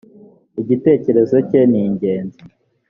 igitekerezo cye ningenzi.